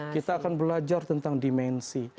kita akan belajar tentang dimensi